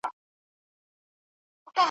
کله به پخلا سي، وايي بله ورځ ,